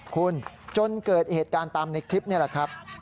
คุณจนเกิดเหตุการณ์ตามในคลิปนี่แหละครับ